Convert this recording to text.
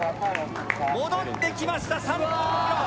戻ってきました３５ｋｍ。